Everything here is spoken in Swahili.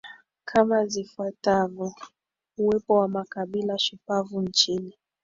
kama zifuatazo Uwepo wa makabila shupavu nchini